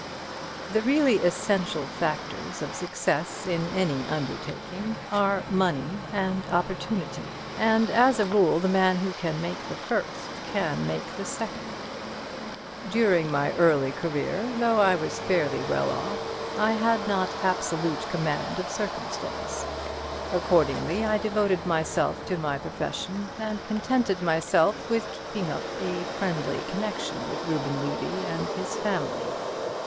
The really essential factors of success in any undertaking are money and opportunity, and as a rule, the man who can make the first can make the second. During my early career, though I was fairly well off, I had not absolute command of circumstance. Accordingly I devoted myself to my profession, and contented myself with keeping up a friendly connection with Reuben Levy and his family.